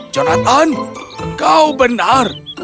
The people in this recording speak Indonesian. jonathan kau benar